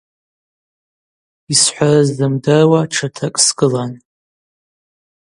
Йсхӏварыз сымдыруа тшытракӏ сгылан.